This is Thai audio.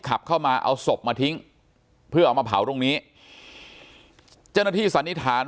ขับเข้ามาเอาศพมาทิ้งเพื่อเอามาเผาตรงนี้เจ้าหน้าที่สันนิษฐาน